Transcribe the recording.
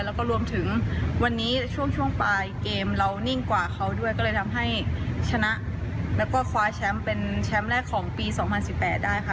แล้วก็รวมถึงวันนี้ช่วงปลายเกมเรานิ่งกว่าเขาด้วยก็เลยทำให้ชนะแล้วก็คว้าแชมป์เป็นแชมป์แรกของปี๒๐๑๘ได้ค่ะ